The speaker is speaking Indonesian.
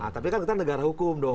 tapi kan kita negara hukum dong